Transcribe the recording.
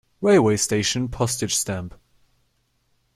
Railway station Postage stamp.